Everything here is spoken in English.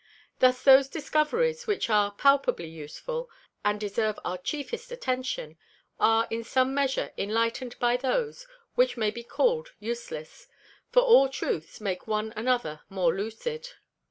Thus those Discoveries, which are palpably useful, and deserve our chiefest Attention, are in some measure enlighten'd by those, which may be call'd useless. For all Truths make one another more lucid.